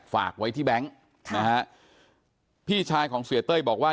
ฝากไว้ที่แบงค์นะฮะพี่ชายของเสียเต้ยบอกว่า